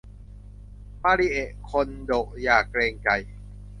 มาริเอะคนโดะอย่าเกรงใจ